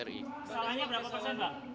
kesalahannya berapa persen bang